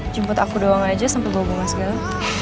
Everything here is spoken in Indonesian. jemput aku doang aja sampai bawa bawa segala